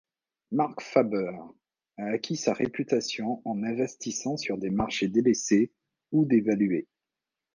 Marc Faber a acquis sa réputation en investissant sur des marchés délaissés ou dévalués.